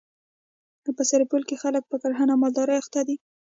په سرپل کي خلک په کرهڼه او مالدري اخته دي.